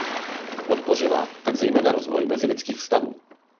Podpořila tak zejména rozvoj mezilidských vztahů.